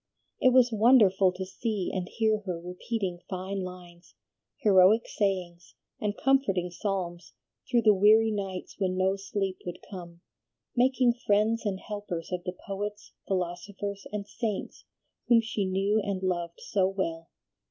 It was wonderful to see and hear her repeating fine lines, heroic sayings, and comforting psalms through the weary nights when no sleep would come, making friends and helpers of the poets, philosophers, and saints whom she knew and loved so well.